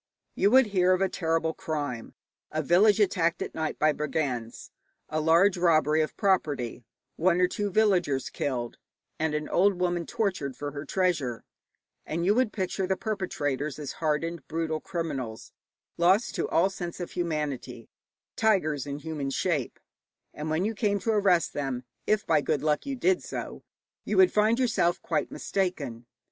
You would hear of a terrible crime, a village attacked at night by brigands, a large robbery of property, one or two villagers killed, and an old woman tortured for her treasure, and you would picture the perpetrators as hardened, brutal criminals, lost to all sense of humanity, tigers in human shape; and when you came to arrest them if by good luck you did so you would find yourself quite mistaken.